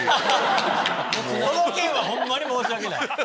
その件はホンマに申し訳ない。